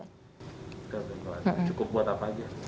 cukup buat apa aja